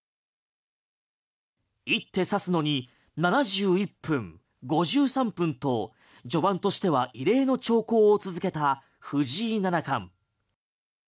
一手指すのに７１分、５３分と序盤としては異例の長考を続けた藤井七冠。